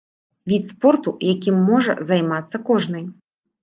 Від спорту, якім можа займацца кожны.